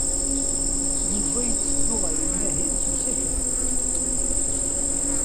Yuba yetteddu ɣer umahil s usakal.